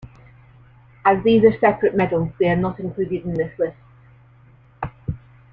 As these are separate medals, they are not included in this list.